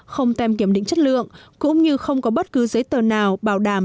không tem kiểm định chất lượng cũng như không có bất cứ giấy tờ nào bảo đảm